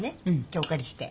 今日お借りして。